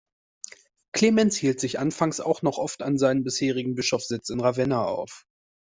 Clemens hielt sich anfangs auch noch oft an seinem bisherigen Bischofssitz in Ravenna auf.